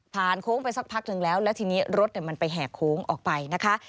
โค้งไปสักพักหนึ่งแล้วแล้วทีนี้รถมันไปแห่โค้งออกไปนะคะ